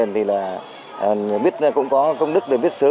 thì là biết cũng có công đức để biết sứ